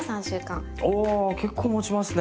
おお結構もちますね！